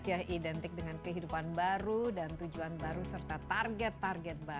tahun baru imlek identik dengan kehidupan baru dan tujuan baru serta target target yang berharga